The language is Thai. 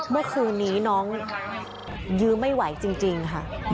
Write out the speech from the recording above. เมื่อคืนนี้น้องยื้อไม่ไหวจริงค่ะ